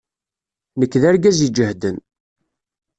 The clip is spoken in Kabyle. Nekk d argaz iǧehden.